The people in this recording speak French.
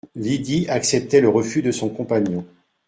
Lydie acceptait le refus de son compagnon.